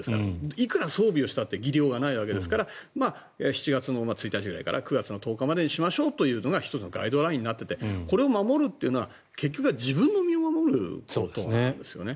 いくら装備をしたって技量がないわけですから７月１日くらいから９月１０日までにしましょうというのが１つのガイドラインになっていてこれを守るというのは結局は自分の身を守ることなんですよね。